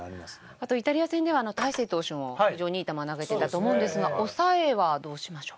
あとイタリア戦では大勢投手も非常にいい球投げてたと思うんですが抑えはどうしましょうか？